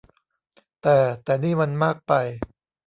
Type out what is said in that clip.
แต่ แต่นี่มันมากไป